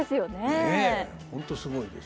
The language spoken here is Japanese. ねえ本当すごいです。